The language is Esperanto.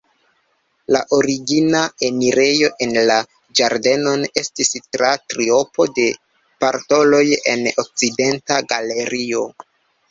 La origina enirejo en la ĝardenon estis tra triopo de portaloj en okcidenta galerio.